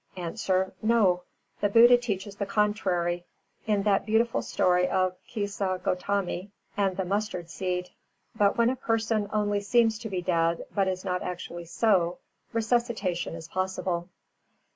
_ A. No. The Buddha teaches the contrary, in that beautiful story of Kisā Gotami and the mustard seed. But when a person only seems to be dead but is not actually so, resuscitation is possible.